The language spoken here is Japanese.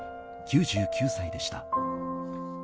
９９歳でした。